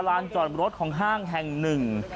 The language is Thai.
ลานจอดรถของห้างแห่งหนึ่ง